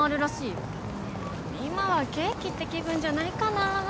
うん今はケーキって気分じゃないかなあ